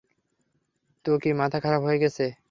তো কী মাথা খারাপ হয়ে গেছে?